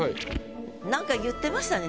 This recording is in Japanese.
何か言ってましたね